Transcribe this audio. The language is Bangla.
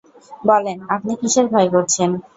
বললেন, আপনি কিসের ভয় করছেন?